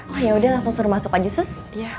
oh yaudah langsung suruh masuk pak jisus